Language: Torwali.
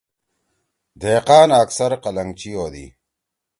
دھقان اکثر قلنکچی ہودی۔